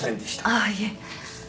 あぁいえ。